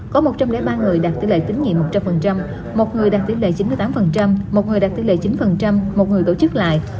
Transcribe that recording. có một trăm linh ba người đạt tỷ lệ tín nhiệm một trăm linh một người đạt tỷ lệ chín mươi tám một người đạt tỷ lệ chín một người tổ chức lại